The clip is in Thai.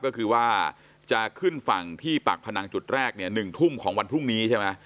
ก็คือว่าจะขึ้นฝั่งที่ปากพนังจุดแรกเนี่ย๑ทุ่มของวันพรุ่งนี้ใช่ไหม